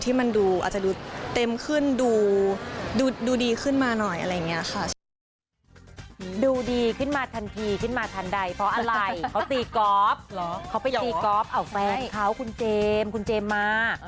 ที่มันดูอาจจะดูเต็มขึ้นดูดีขึ้นมาหน่อยอะไรอย่างนี้ค่ะ